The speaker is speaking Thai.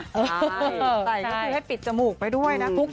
ก็คือให้ปิดจมูกไปด้วยนะ